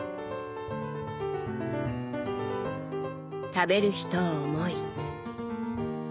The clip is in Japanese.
食べる人を思い